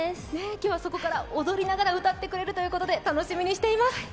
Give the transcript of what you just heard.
今日はそこから踊りながら歌ってくれるということで楽しみにしています。